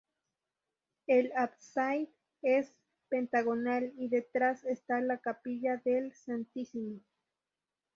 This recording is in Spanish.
El ábside es pentagonal y detrás está la capilla del Santísimo.